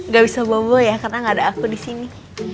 gak bisa bawa bawa ya karena gak ada aku di sini